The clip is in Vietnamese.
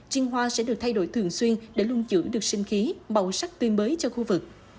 truyền hoa sẽ được thay đổi thường xuyên để luôn giữ được sinh khí bầu sắc tuyên mới cho khu vực